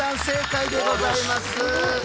正解でございます。